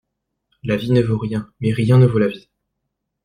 La vie ne vaut rien, mais rien ne vaut la vie